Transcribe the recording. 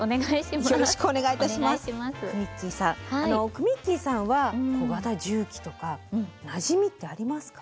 くみっきーさんは小型重機とかなじみってありますか？